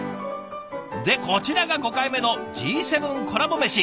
でこちらが５回目の「＃Ｇ７コラボめし」。